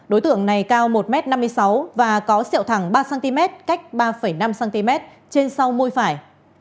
đối tượng này cao một m năm mươi sáu và có sẹo thẳng ba cm cách ba năm cm trên sau môi phải